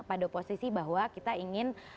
pada posisi bahwa kita ingin